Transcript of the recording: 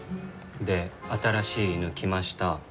で、新しい犬来ました。